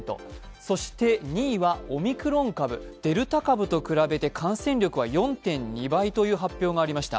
そして２位はオミクロン株、デルタ株と比べて感染力は４．２倍という発表がありました。